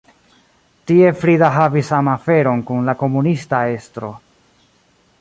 Tie Frida havis amaferon kun la komunista estro.